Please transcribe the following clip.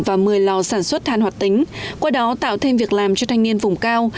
và một mươi lò sản xuất than hoạt tính qua đó tạo thêm việc làm cho thanh niên vùng cao